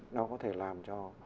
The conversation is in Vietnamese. nó có thể làm cho